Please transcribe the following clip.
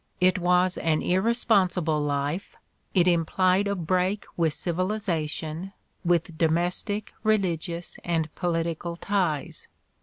It was an irre sponsible life, it implied a break with civilization, with domestic, religious and political ties.